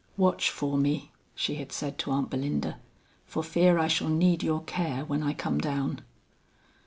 "Watch for me," she had said to Aunt Belinda, "for I fear I shall need your care when I come down."